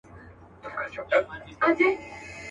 زهره چاودي به لستوڼي کي ماران سي.